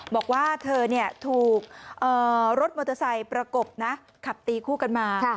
บอกว่าเธอถูกรถมอเตอร์ไซค์ประกบนะขับตีคู่กันมา